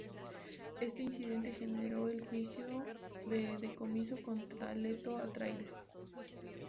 Este incidente generó el juicio de decomiso contra Leto Atreides.